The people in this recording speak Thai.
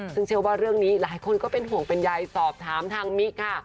ซึ่งเชื่อว่าเรื่องนี้หลายคนก็เป็นห่วงเป็นใยสอบถามทางมิกค่ะ